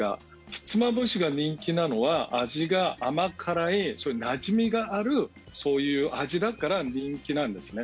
ひつまぶしが人気なのは味が甘辛いなじみがある、そういう味だから人気なんですね。